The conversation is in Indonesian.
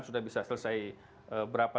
sudah bisa selesai berapa